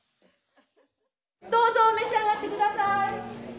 どうぞ召し上がって下さい。